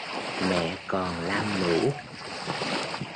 Mẹ còn lam lũ